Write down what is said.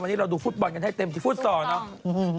วันนี้เราดูฟุตบอลกันให้เต็มที่ฟุตซอลเนาะ